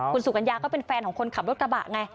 คุณสุกัญญาก็เป็นแฟนของคนขับรถกระบะไง